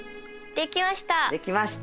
できました！